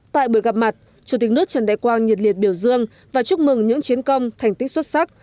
tại buổi gặp mặt chủ tịch nước trần đại quang nhiệt liệt biểu dương và chúc mừng những chiến công thành tích xuất sắc